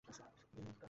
তাড়াতাড়ি লোড করো।